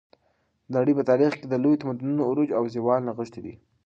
د نړۍ په تاریخ کې د لویو تمدنونو عروج او زوال نغښتی دی.